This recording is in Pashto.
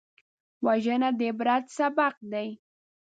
وژنه د عبرت سبق دی